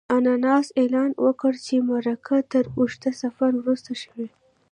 انانسر اعلان وکړ چې مرکه تر اوږده سفر وروسته شوې.